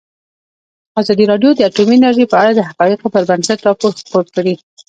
ازادي راډیو د اټومي انرژي په اړه د حقایقو پر بنسټ راپور خپور کړی.